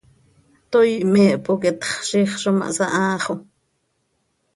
Toii me hpoqueetx, ziic zo ma hsahaa xo.